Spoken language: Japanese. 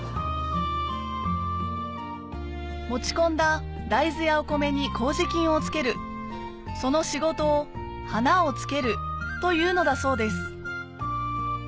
持ち込んだ大豆やお米に麹菌をつけるその仕事をというのだそうです